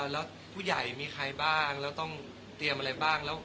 แล้วผู้ใหญ่มีใครบ้างแล้วต้องเตรียมอะไรบ้าง